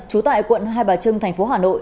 trú tại quận hai bà trưng thành phố hà nội